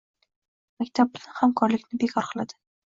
Maktab bilan hamkorlikni bekor qiladi.